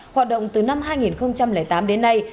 hoạt động từ năm hai nghìn tám đến nay